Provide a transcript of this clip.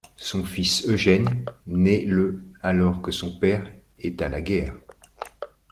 Son fils, Eugène, naît le alors que son père est à la guerre.